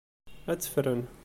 Ad t-ffren.